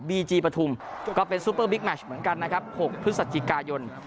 ีจีปฐุมก็เป็นซูเปอร์บิ๊กแมชเหมือนกันนะครับ๖พฤศจิกายน